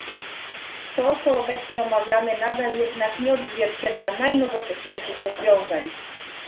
To, co obecnie omawiamy, nadal jednak nie odzwierciedla najnowocześniejszych rozwiązań